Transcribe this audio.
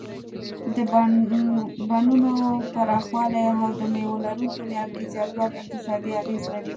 د بڼونو پراخوالی او د مېوه لرونکو نیالګیو زیاتول اقتصادي اغیز لري.